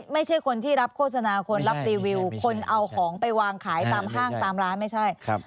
ไม่ใช่คนที่รับโฆษณาคนรับรีวิวคนเอาของไปวางขายตามห้างตามร้านไม่ใช่